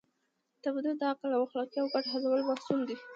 تمدن د عقل، اخلاقو او ګډو هڅو محصول دی.